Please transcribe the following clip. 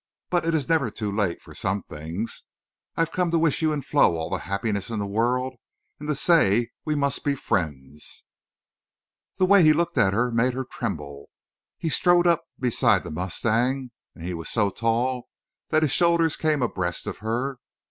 But it is never too late for some things.... I've come to wish you and Flo all the happiness in the world—and to say we must be friends." The way he looked at her made her tremble. He strode up beside the mustang, and he was so tall that his shoulder came abreast of her.